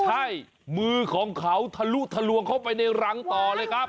ใช่มือของเขาทะลุทะลวงเข้าไปในรังต่อเลยครับ